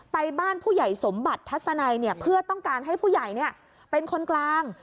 ไปบ้านผู้ใหญ่สมบัติทัศนัยเพื่อต้องการให้ผู้ใหญ่เป็นคนกลาง